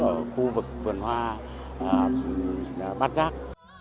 ở khu vực vườn hoa bát giác